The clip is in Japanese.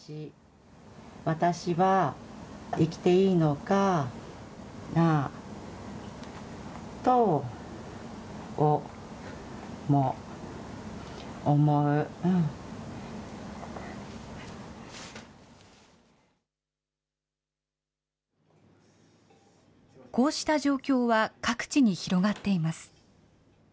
私は生きていいのかなとおも、こうした状況は各地に広がっています。